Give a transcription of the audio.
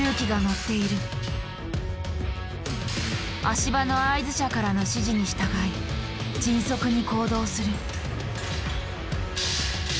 足場の合図者からの指示に従い迅速に行動する。